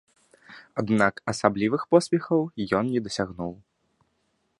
Аднак асаблівых поспехаў ён не дасягнуў.